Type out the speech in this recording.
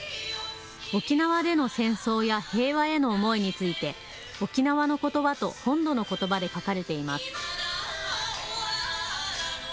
沖縄での戦争や平和への思いについて沖縄のことばと本土のことばで書かれています。